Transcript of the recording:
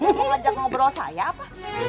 ada yang mau ngajak ngobrol saya apa